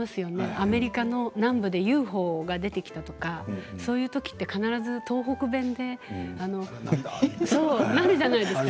アメリカの南部でＵＦＯが出てきたとかそういうときって必ず東北弁でなるじゃないですか。